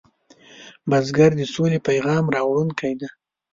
بزګر د سولې پیام راوړونکی دی